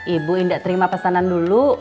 ibu indah terima pesanan dulu